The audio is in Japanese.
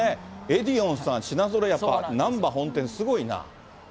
エディオンさん、品ぞろえ、やっぱ、なんば本店、すごいな。